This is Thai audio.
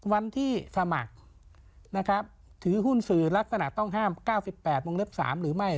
วันที่สมัครนะครับถือหุ้นสื่อลักษณะต้องห้ามเก้าสิบแปดมงเล็บสามหรือไม่